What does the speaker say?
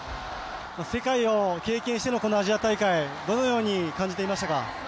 世界を経験してのこのアジア大会、どのように感じていましたか？